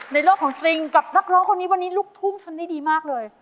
ในโลกของสตริงกับนักร้องคนนี้วันนี้ลูกทุ่งทำได้ดีมากเลย